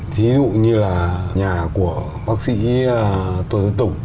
thí dụ như là nhà của bác sĩ tô văn tùng